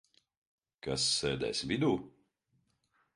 Kas sēdēs vidū?